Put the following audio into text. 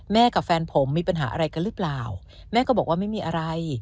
กับแฟนผมมีปัญหาอะไรกันหรือเปล่าแม่ก็บอกว่าไม่มีอะไร